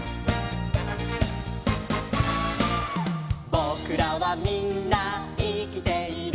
「ぼくらはみんないきている」